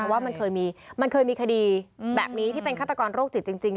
ว่ามันเคยมีคดีแบบนี้ที่เป็นฆาตกรโรคจิตจริง